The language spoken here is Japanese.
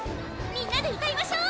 みんなで歌いましょう！